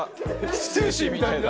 ステューシーみたいだ。